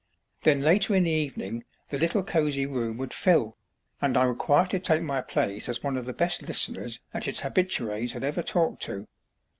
Then later in the evening the little cosy room would fill, and I would quietly take my place as one of the best listeners that its habitu├®s had ever talked to.